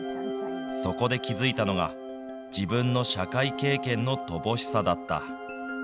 そこで気付いたのが、自分の社会経験の乏しさだった。